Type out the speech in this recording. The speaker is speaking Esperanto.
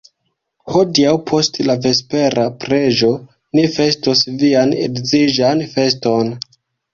Hodiaŭ post la vespera preĝo ni festos vian edziĝan feston!